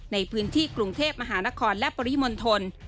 ในพื้นที่กรุงเทพมหานครและปริมณฑล